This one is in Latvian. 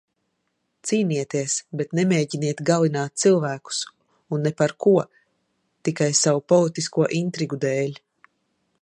Cīnieties, bet nemēģiniet galināt cilvēkus, un ne par ko, tikai savu politisko intrigu dēļ.